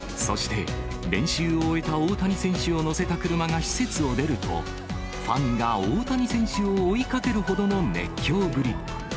おめでとうごそして、練習を終えた大谷選手を乗せた車が施設を出ると、ファンが大谷選手を追いかけるほどの熱狂ぶり。